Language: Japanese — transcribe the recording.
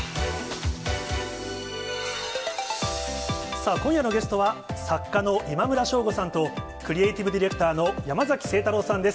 さあ、今夜のゲストは、作家の今村翔吾さんとクリエイティブディレクターの山崎晴太郎さんです。